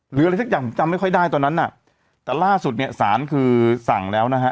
หรืออะไรสักอย่างผมจำไม่ค่อยได้ตอนนั้นน่ะแต่ล่าสุดเนี่ยสารคือสั่งแล้วนะฮะ